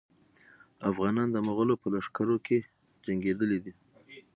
افغانان د مغولو په لښکرو کې جنګېدلي دي.